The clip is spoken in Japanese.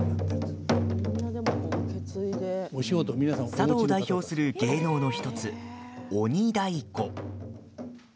佐渡を代表する芸能の１つ鬼太鼓。